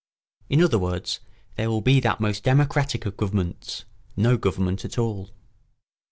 In other words, there will be that most democratic of governments—no government at all.